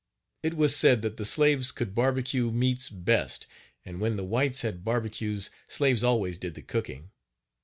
It was said that the slaves could barbecue meats best, and when the whites had barbecues slaves always did the cooking.